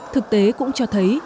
thực tế cũng cho thấy